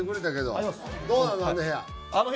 どうなの？